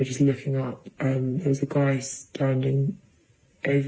เธอเล่าต่อนะครับ